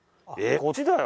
こっちだよ？